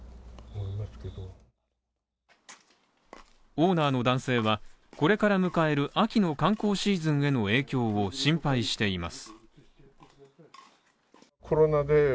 オーナーの男性は、これから迎える秋の観光シーズンへの影響を心配しています。